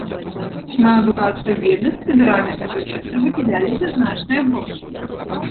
На адукацыю бедных з федэральнага бюджэта выдзяляліся значныя грошы.